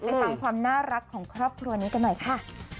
ไปฟังความน่ารักของครอบครัวนี้กันหน่อยค่ะ